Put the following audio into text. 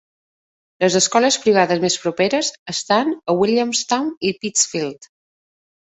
Les escoles privades més properes estan a Williamstown i Pittsfield.